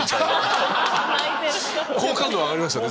好感度は上がりましたね。